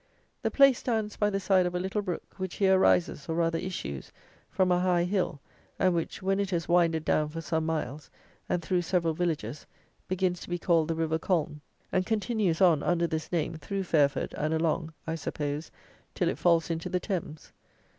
The place stands by the side of a little brook, which here rises, or rather issues, from a high hill, and which, when it has winded down for some miles, and through several villages, begins to be called the River Colne, and continues on, under this name, through Fairford and along, I suppose, till it falls into the Thames.